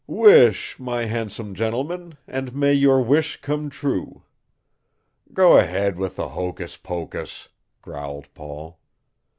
"Wish, my handsome gentleman, and may your wish come true." "Go ahead with the hocus pocus," growled Paul.